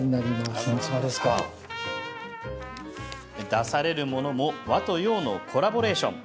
出されるものも和と洋のコラボレーション。